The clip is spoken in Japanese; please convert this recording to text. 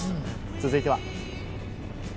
続いては。